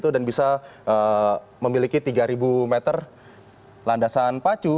dan bisa memiliki tiga ribu meter landasan pacu